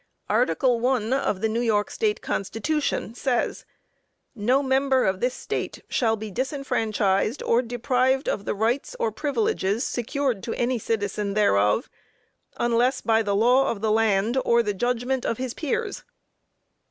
Article 1 of the New York State Constitution says: "No member of this State shall be disfranchised or deprived of the rights or privileges secured to any citizen thereof, unless by the law of the land, or the judgment of his peers."